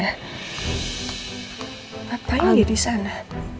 apa yang jadi disana